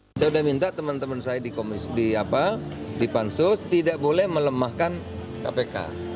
saya sudah minta teman teman saya di komisi tiga dpr di pansus tidak boleh melemahkan kpk